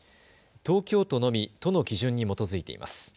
東京都のみ都の基準に基づいてます。